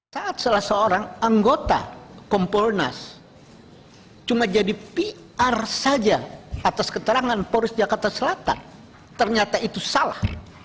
saat salah seorang anggota kompolnas cuma jadi pr saja atas keterangan polis jakarta selatan ternyata itu salah